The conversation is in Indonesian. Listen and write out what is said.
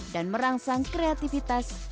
dan merangsang kreativitas anak